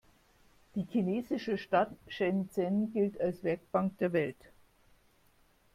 Die chinesische Stadt Shenzhen gilt als „Werkbank der Welt“.